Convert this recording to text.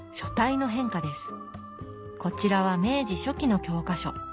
こちらは明治初期の教科書。